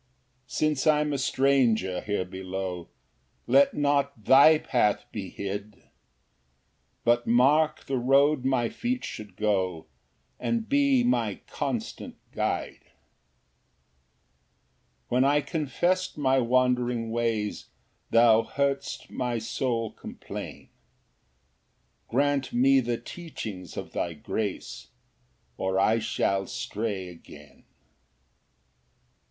Ver. 19. 3 Since I'm a stranger here below, Let not thy path be hid; But mark the road my feet should go, And be my constant guide. Ver. 26. 4 When I confess'd my wandering ways, Thou heardst my soul complain; Grant me the teachings of thy grace, Or I shall stray again.